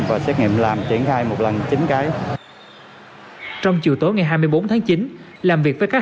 và xét nghiệm làm triển khai một lần chín cái trong chiều tối ngày hai mươi bốn tháng chín làm việc với các